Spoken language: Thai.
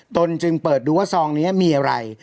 ตนจึงเปิดดูว่าซองนี้มีอะไร